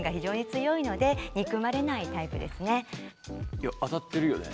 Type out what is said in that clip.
いや当たってるよね。